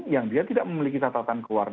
yang dia tidak memiliki tatatan kewajiban